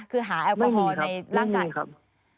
คือหาแอลกอฮอล์ในร่างกายไม่มีครับไม่มีครับ